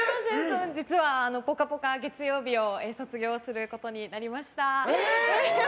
実は、「ぽかぽか」月曜日を卒業することになりました。